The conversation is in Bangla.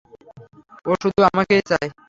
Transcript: ও শুধু আমাকেই চায়।